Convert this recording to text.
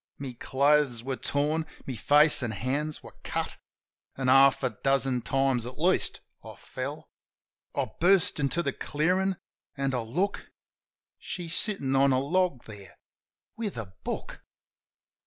My clothes were torn, my face an' hands were cut, An' half a dozen times, at least, I fell. I burst into the clearin' ... an' I look. ... She's sittin' on a log there ^with a book!